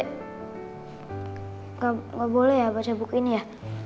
tidak boleh ya baca buku ini ya